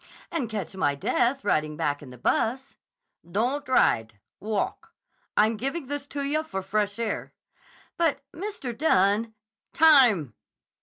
"And catch my death riding back in the bus." "Don't ride. Walk. I'm giving this to yah for fresh air." "But Mr. Dunne—" "Time!"